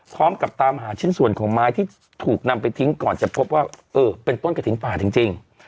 ตามหาชิ้นส่วนของไม้ที่ถูกนำไปทิ้งก่อนจะพบว่าเออเป็นต้นกระถิ่นป่าจริง